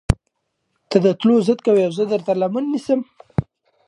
تۀ د تلو ضد کوې اؤ زۀ درته لمنه نيسم